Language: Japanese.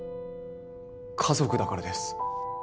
家族だからです